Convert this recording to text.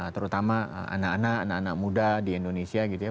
terutama anak anak anak muda di indonesia gitu ya